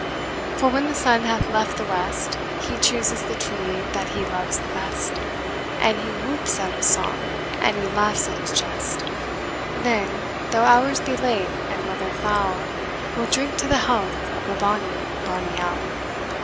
For when the sun hath left the west, He chooses the tree that he loves the best, And he whoops out his song, and he laughs at his jest; Then, though hours be late and weather foul, We'll drink to the health of the bonny, bonny owl.